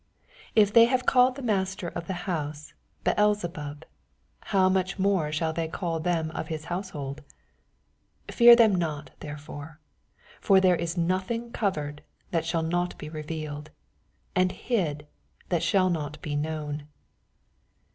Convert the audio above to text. If they have called the master of the house "Beelze bnb, how much more shall they call ihem of his household ? 26 Fear them not therefore: for there is nothing covered, that shall not be revealed ; and hid, that shall not be known.